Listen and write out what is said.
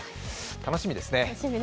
楽しみですね。